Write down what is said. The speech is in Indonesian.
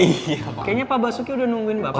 kayaknya pak basuki udah nungguin bapak